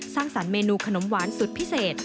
สร้างสรรคเมนูขนมหวานสุดพิเศษ